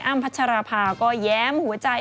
พัชราภาก็แย้มหัวใจ